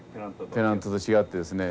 ペナントと違ってですね。